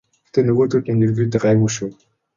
Гэхдээ нөгөөдүүл маань ерөнхийдөө гайгүй шүү.